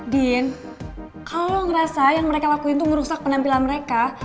din kalo lo ngerasa yang mereka lakuin tuh ngerusak penampilan mereka